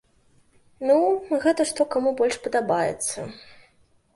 Ну, гэта што каму больш падабаецца.